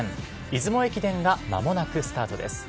出雲駅伝がまもなくスタートです。